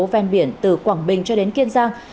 ven biển từ quảng bình cho đến kiên giang